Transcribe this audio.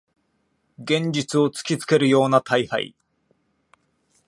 現実を突きつけるような大敗